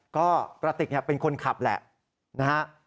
ก็กระติกเป็นคนขับแหละนะฮะ